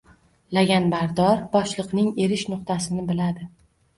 Laganbardor boshliqning erish nuqtasini biladi.